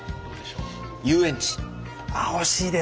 ああ惜しいですね。